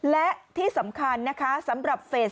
และที่สำคัญนะคะสำหรับเฟส